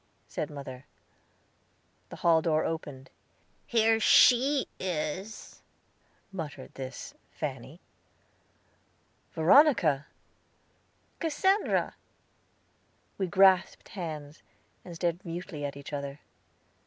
said mother. The hall door opened. "Here she is," muttered this Fanny. "Veronica!" "Cassandra!" We grasped hands, and stared mutely at each other.